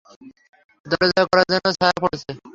দরজায় করা যেন ছায়া পড়েছে।